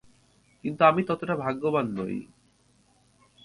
কিন্তু আমি ততটা ভাগ্যবান নই।